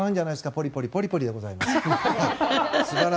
ポリポリ、ポリポリでございます。